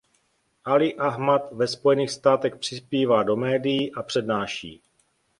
Ali Ahmad ve Spojených státech přispívá do médií a přednáší.